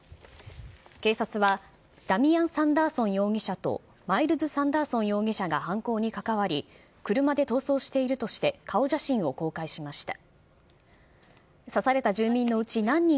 警察はダミアン・サンダーソン容疑者と、マイルズ・サンダーソン容疑者が犯行に関わり、車で逃走しているとして、顔写真を公開しました。